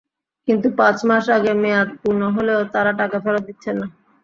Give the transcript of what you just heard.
কিন্তু পাঁচ মাস আগে মেয়াদ পূর্ণ হলেও তাঁরা টাকা ফেরত দিচ্ছেন না।